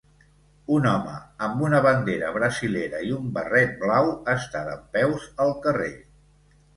Un home amb una bandera brasilera i un barret blau està dempeus al carrer.